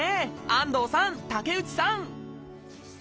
安藤さん竹内さん！